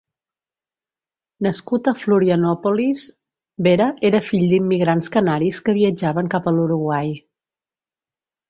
Nascut a Florianópolis, Vera era fill d'immigrants canaris que viatjaven cap a l'Uruguai.